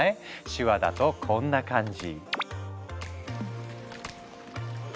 手話だとこんな感じ。